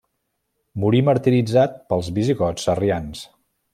Morí martiritzat pels visigots arrians.